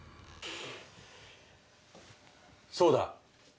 そうだ。